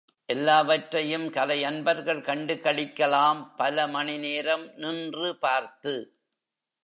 எல்லாவற்றையும் கலை அன்பர்கள் கண்டுகளிக்கலாம் பல மணி நேரம் நின்று பார்த்து.